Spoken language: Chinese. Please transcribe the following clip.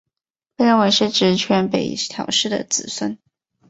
被认为是执权北条氏的子孙。